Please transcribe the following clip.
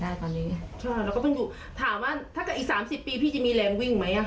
แต่ผมไม่กลัว